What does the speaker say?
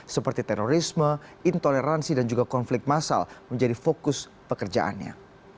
seperti terorisme intoleransi dan juga konflik masal menjadi fokus pekerjaannya